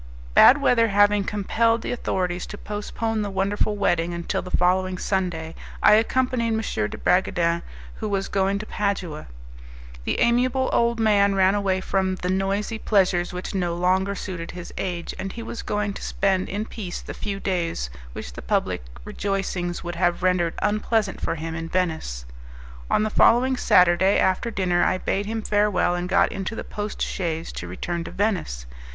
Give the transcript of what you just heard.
Bad weather having compelled the authorities to postpone the wonderful wedding until the following Sunday, I accompanied M. de Bragadin, who was going to Padua. The amiable old man ran away from the noisy pleasures which no longer suited his age, and he was going to spend in peace the few days which the public rejoicings would have rendered unpleasant for him in Venice. On the following Saturday, after dinner, I bade him farewell, and got into the post chaise to return to Venice.